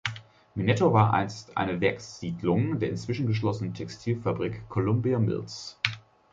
Minetto war einst eine Werkssiedlung der inzwischen geschlossenen Textilfabrik Columbia Mills.